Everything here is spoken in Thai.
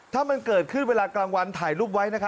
ถ้ามันเกิดขึ้นเวลากลางวันถ่ายรูปไว้